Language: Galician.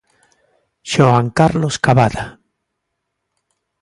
Xoán Carlos Cabada.